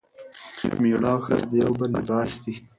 میړه او ښځه د یو بل لباس دي.